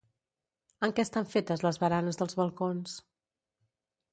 En què estan fetes les baranes dels balcons?